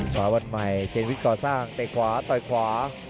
ช้าว่าใหม่เจนวิชก่อซ่ากเต้คว้าต๋อยคว้า